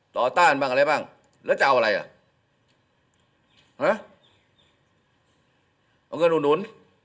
ต่อต้านบ้างอะไรบ้างแล้วจะเอาอะไรอ่ะเอาเงินหุ่น